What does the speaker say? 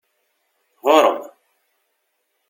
Ɣuṛ-m!